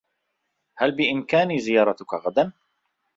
هل بإمكاني زيارتك غدا؟